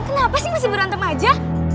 kenapa sih masih berantem aja